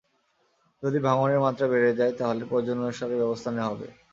যদি ভাঙনের মাত্রা বেড়েই যায়, তাহলে প্রয়োজন অনুসারে ব্যবস্থা নেওয়া হবে।